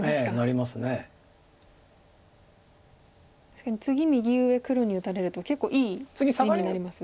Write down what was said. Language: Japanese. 確かに次右上黒に打たれると結構いい地になります？